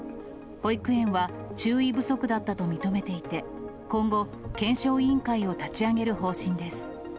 保育園は注意不足だったと認めていて、今後、検証委員会を立ち上げる方針です。